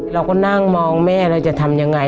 เราก็นั่งมองแม่เราจะทำยังไง